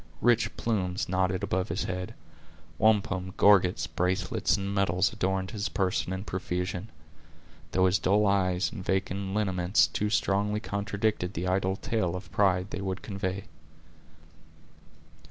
Rich plumes nodded above his head; wampum, gorgets, bracelets, and medals, adorned his person in profusion; though his dull eye and vacant lineaments too strongly contradicted the idle tale of pride they would convey.